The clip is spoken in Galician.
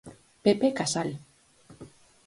Pepe Casal.